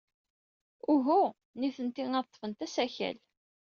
Uhu, nitenti ad ḍḍfent asakal.